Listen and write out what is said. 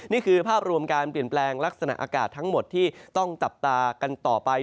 นี่คือภาพรวมการเปลี่ยนแปลงลักษณะอากาศทั้งหมดที่ต้องจับตากันต่อไป